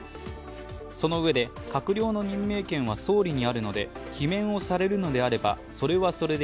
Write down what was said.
そのうえで、閣僚の任命権は総理にあるので罷免をされるのであればそれはそれで